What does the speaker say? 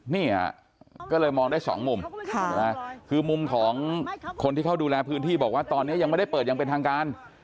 เนี่ยก็เลยมองได้สองมุมคือมุมของคนที่เขาดูแลพื้นที่บอกว่าตอนนี้ยังไม่ได้เปิดอย่างเป็นทางการ